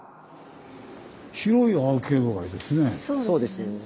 そうです。